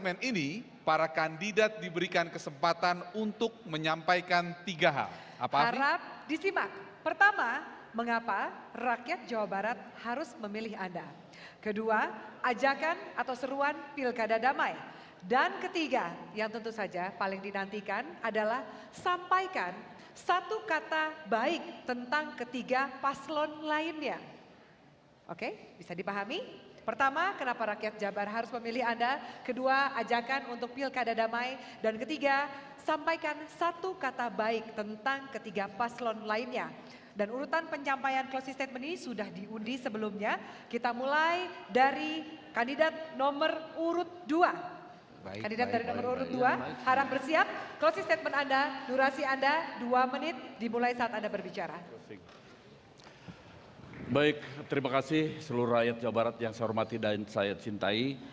baik terima kasih seluruh rakyat jawa barat yang saya hormati dan saya cintai